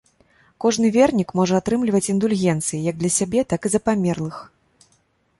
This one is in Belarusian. Кожны вернік можа атрымліваць індульгенцыі як для сябе, так і за памерлых.